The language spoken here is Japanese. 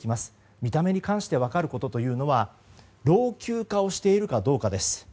見た目に関して分かることは老朽化をしているかどうかです。